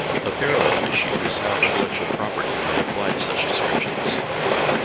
A parallel issue is how intellectual property may apply to such descriptions.